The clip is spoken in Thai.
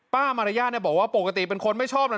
มารยาทบอกว่าปกติเป็นคนไม่ชอบนะ